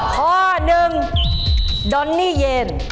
ข้อหนึ่งดอนนี่เยน